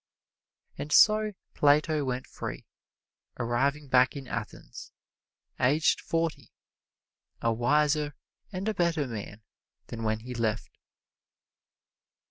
And so Plato went free, arriving back in Athens, aged forty, a wiser and a better man than when he left.